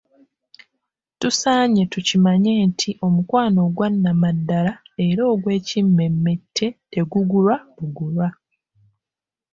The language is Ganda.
Tusaanye tukimanye nti Omukwano ogwannamaddala era ogw'ekimmemmette tegugulwa bugulwa.